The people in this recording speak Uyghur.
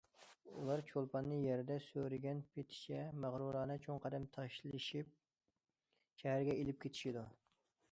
ئۇلار چولپاننى يەردە سۆرىگەن پېتىچە مەغرۇرانە چوڭ قەدەم تاشلىشىپ شەھەرگە ئېلىپ كېتىشىدۇ.